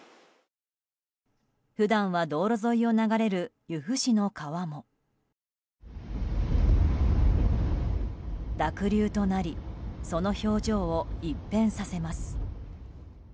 普段は道路沿いを流れる由布市の川も濁流となりその表情を一変させます。